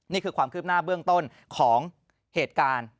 นี่คือความคืบหน้าเบื้องต้นของเหตุการณ์